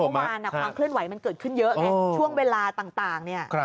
เมื่อวานความเคลื่อนไหวมันเกิดขึ้นเยอะไงช่วงเวลาต่างเนี่ย